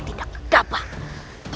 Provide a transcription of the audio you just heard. kau tidak boleh menyerangnya